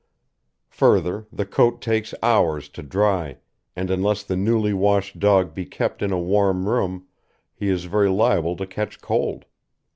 Further, the coat takes hours to dry, and unless the newly washed dog be kept in a warm room he is very liable to catch cold.